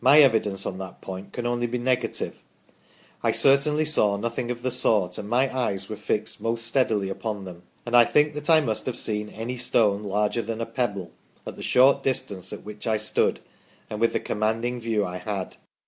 My evidence on that point can only be negative. I certainly saw nothing of the sort, and my eyes were fixed most steadily upon them, and I think that I must have seen any stone larger than a pebble at the short dis tance at which I stood and with the commanding view I had.